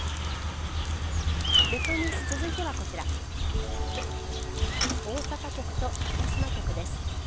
列島ニュース続いてはこちら大阪局と鹿児島局です。